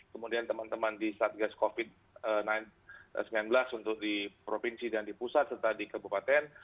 kemudian teman teman di satgas covid sembilan belas untuk di provinsi dan di pusat serta di kabupaten